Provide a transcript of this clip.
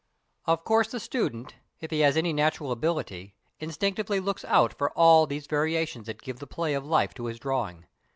] Of course the student, if he has any natural ability, instinctively looks out for all these variations that give the play of life to his drawing.